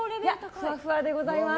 ふわふわでございます。